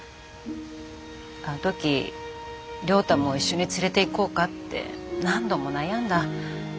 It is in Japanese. あの時亮太も一緒に連れていこうかって何度も悩んだ。